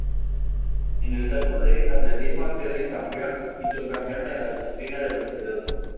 En el caso de atletismo, acceden campeón y subcampeón en la disciplina de velocidad.